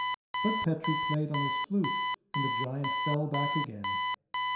But Petru played on his flute, and the giant fell back again.